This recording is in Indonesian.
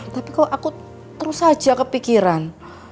tapi kok aku terus saja kepikiran